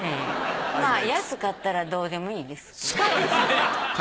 まぁ安かったらどうでもいいです。